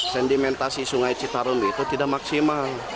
sentimentasi sungai citarun itu tidak maksimal